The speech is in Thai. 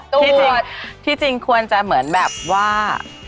ที่จริงควรจะเหมือนแบบว่า